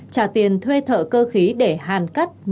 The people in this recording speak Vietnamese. trả tiền thuê thợ cơ khí để hàn